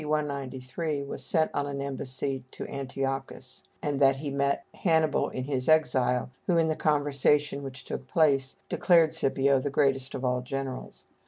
193, was sent on an embassy to Antiochus, and that he met Hannibal in his exile, who in the conversation which took place, declared Scipio the greatest of all generals.